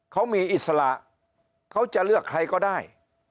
เขามีอิสระเขาจะเลือกใครก็ได้